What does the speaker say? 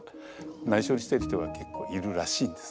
ないしょにしてる人が結構いるらしいんです。